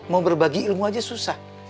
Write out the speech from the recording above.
mau berbagi ilmu aja susah